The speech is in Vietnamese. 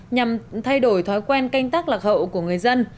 nhằm thay đổi thói quen canh tác lạc hậu của người dân